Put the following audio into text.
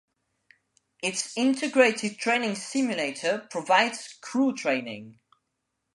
Its integrated training simulator provides crew training.